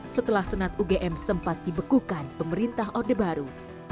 setelah senat ugm sempat dibekukan pemerintah orde baru